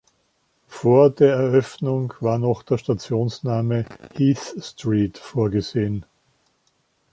Vor der Eröffnung war noch der Stationsname Heath Street vorgesehen.